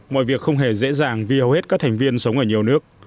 mọi việc không hề dễ dàng vì hầu hết các thành viên sống ở nhiều nước